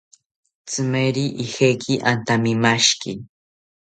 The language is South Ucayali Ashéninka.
Tzimeri ijeki antamimashiki